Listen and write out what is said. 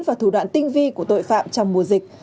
và thủ đoạn tinh vi của tội phạm trong mùa dịch